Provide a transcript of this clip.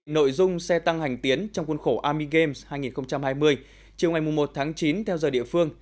nội dung xe tăng hành tiến trong khuôn khổ army games hai nghìn hai mươi chiều ngày một tháng chín theo giờ địa phương